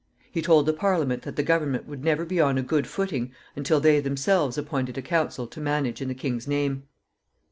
He told the Parliament that the government would never be on a good footing until they themselves appointed a council to manage in the king's name.